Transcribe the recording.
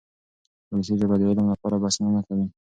ولسي ژبه د علم لپاره بسنه نه کوي.